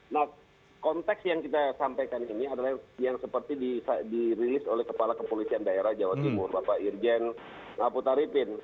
nah konteks yang kita sampaikan ini adalah yang seperti dirilis oleh kepala kepolisian daerah jawa timur bapak irjen aputaripin